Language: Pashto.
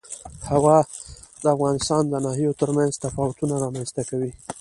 هوا د افغانستان د ناحیو ترمنځ تفاوتونه رامنځ ته کوي.